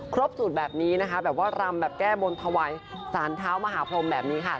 สูตรแบบนี้นะคะแบบว่ารำแบบแก้บนถวายสารเท้ามหาพรมแบบนี้ค่ะ